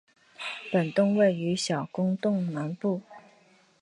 本洞位于小公洞南部。